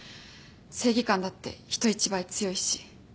正義感だって人一倍強いし。